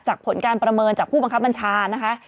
ผลการประเมินจากผู้บังคับบัญชานะคะ